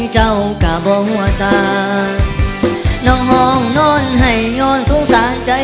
เจ้ากะบ่หัวสา